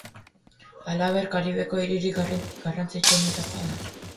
Halaber, Karibeko hiririk garrantzitsuenetakoa da.